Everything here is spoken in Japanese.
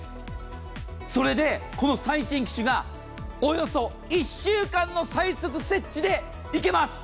それでこの最新機種がおよそ１週間の最速設置でいけます。